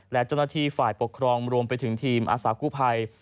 และเจ้าหน้าที่ฝ่ายปกครองรวมไปถึงทีมอาสากู้ภัย